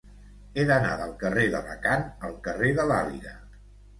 He d'anar del carrer d'Alacant al carrer de l'Àliga.